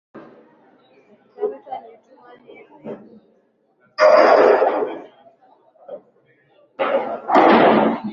za mtu aliyetumia heroin